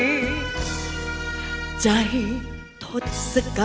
รูปสุดงามสมสังคมเครื่องใครแต่หน้าเสียดายใจทดสกัน